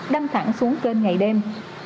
đăng thẳng xuống kênh ngày đêm